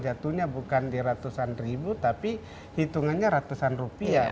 jatuhnya bukan di ratusan ribu tapi hitungannya ratusan rupiah